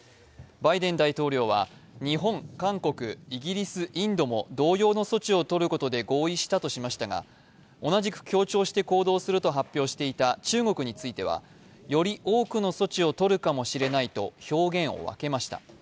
バイデン大統領は日本、韓国、イギリス、インドも同様の措置をとることで合意したとしましたが同じく協調して行動すると発表していた中国についてはより多くの措置を取るかもしれないと表現を分けました。